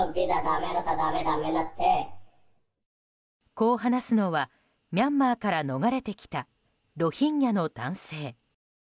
こう話すのはミャンマーから逃れてきたロヒンギャの男性。